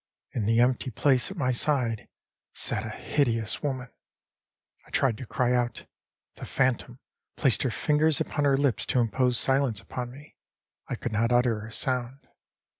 In the empty place at my side sat a hideous woman. I tried to cry out; the phantom placed her fingers upon her lips to impose silence upon me. I could not utter a sound.